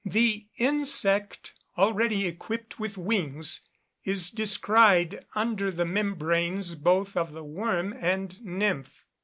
The insect, already equipped with wings, is descried under the membranes both of the worm and nymph.